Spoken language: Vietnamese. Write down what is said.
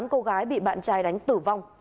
cô gái bị bạn trai đánh tử vong